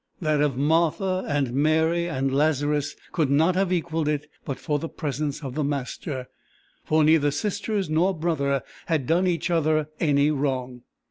That of Martha and Mary and Lazarus could not have equalled it but for the presence of the Master, for neither sisters nor brother had done each other any wrong.